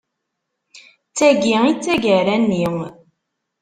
D tagi i d tagara-nni.